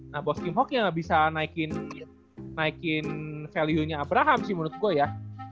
nah bos kim ho kee gak bisa naikin value nya abraham sih menurut gue ya